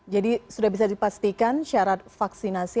jadi sudah bisa dipastikan syarat vaksinasi